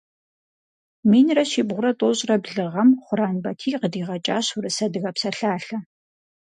Минрэ щибгъурэ тӀощӀрэ блы гъэм Хъуран Батий къыдигъэкӀащ урыс-адыгэ псалъалъэ.